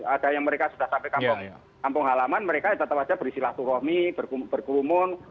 ada yang sudah sampai kampung halaman mereka tetap saja berisi laku rohmi berkeumun